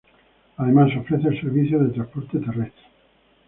Además ofrece el servicio de transporte terrestre.